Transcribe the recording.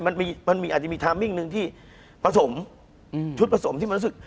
มันมีมันมีอาจจะมีทามมิ่งหนึ่งที่ผสมชุดผสมที่มันรู้สึก